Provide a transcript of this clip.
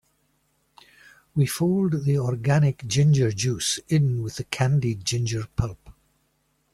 We fold the organic ginger juice in with the candied ginger pulp.